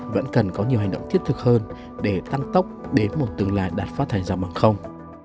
vẫn cần có nhiều hành động thiết thực hơn để tăng tốc đến một tương lai đạt phát thải dòng bằng không